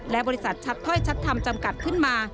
และบริษัทชัดถ้อยชัดธรรมจำกัดขึ้นมา